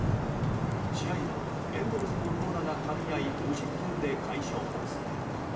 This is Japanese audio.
試合はエンゼルスの投打がかみ合い、無失点で快勝です。